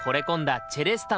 チェレスタ？